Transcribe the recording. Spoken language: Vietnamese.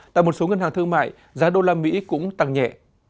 tại một số ngân hàng thương mại giá usd cũng tăng nhẹ